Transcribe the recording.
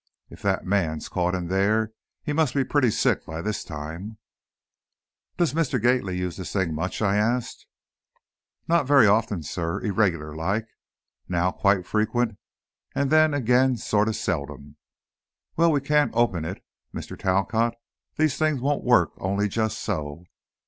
If that man's caught in there, he must be pretty sick by this time!" "Does Mr. Gately use the thing much?" I asked. "Not so very often, sir. Irregular like. Now, quite frequent, and then, again, sort of seldom. Well, we can't open it, Mr. Talcott. These things won't work, only just so.